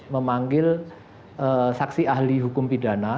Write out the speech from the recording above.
memanggil saksi ahli hukum pidana